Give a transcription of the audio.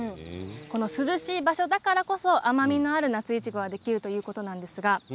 涼しいところだからこそ甘みのある夏いちごができるということです。